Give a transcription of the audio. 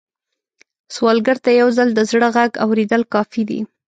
سوالګر ته یو ځل د زړه غږ اورېدل کافي دي